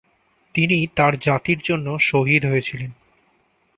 তিনি তাঁর জাতির জন্য শহীদ হয়েছিলেন।